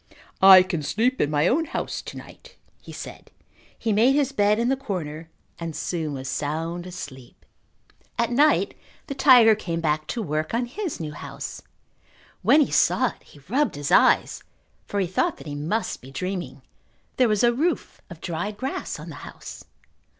"I can sleep in my own house to night," he said. He made his bed in the corner and soon was sound asleep. At night the tiger came back to work on his new house. When he saw it he rubbed his eyes for he thought that he must be dreaming. There was a roof of dried grass on the house.